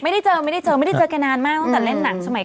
ไม่ได้เจอไม่ได้เจอกันนานมากตั้งแต่เล่นหนังสมัยก่อน